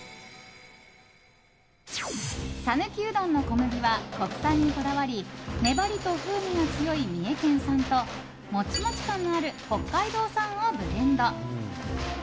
讃岐うどんの小麦は国産にこだわり粘りと風味が強い三重県産とモチモチ感のある北海道産をブレンド。